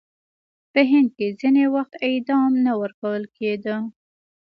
په هند کې ځینې وخت اعدام نه ورکول کېده.